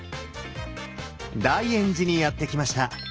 大圓寺にやって来ました。